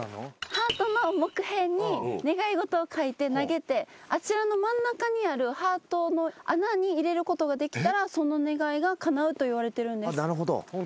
ハートの木片に願い事を書いて投げてあちらの真ん中にあるハートの穴に入れることができたらその願いがかなうといわれてるんです。